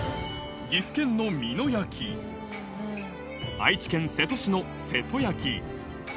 岐阜県の美濃焼、愛知県瀬戸市の瀬戸焼。